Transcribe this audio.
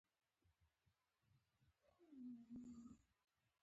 ښه خدمت د بازار ژبه ده.